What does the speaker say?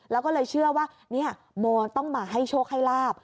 แล้วก็เลยเชื่อว่าเนี่ยโมต้องมาให้โชคให้ลาบ